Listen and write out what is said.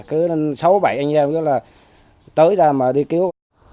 cứ sáu bảy anh em là tới ra mà đi cứu